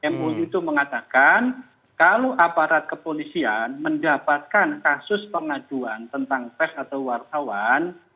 mui itu mengatakan kalau aparat kepolisian mendapatkan kasus pengaduan tentang pers atau wartawan